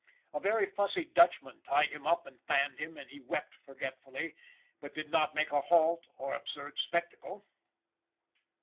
A very fussy Dutchman tied him up and fanned him, and he wept forgetfully, but did not make a halt or absurd spectacle.